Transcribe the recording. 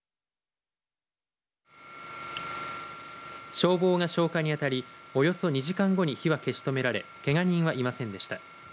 消防が消火に当たりおよそ２時間後に火は消し止められけが人はいませんでした。